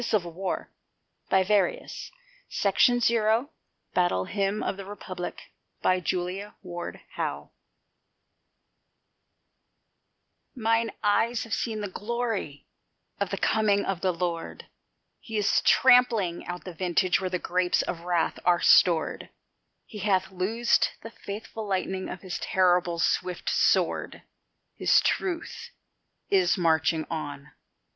CHARLES GRAHAM HALPINE. PART IV THE CIVIL WAR BATTLE HYMN OF THE REPUBLIC Mine eyes have seen the glory of the coming of the Lord: He is trampling out the vintage where the grapes of wrath are stored; He hath loosed the fateful lightning of his terrible swift sword: His truth is marching on.